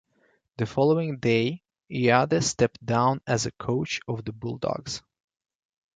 The following day, Eade stepped down as coach of the Bulldogs.